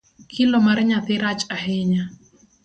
Kilo mar nyathi rach ahinya.